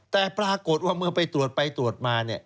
แต่ปรากฏว่าเมื่อไปตรวจไปตรวจมา